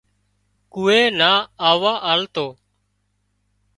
ڪوئي نا آووا آلتو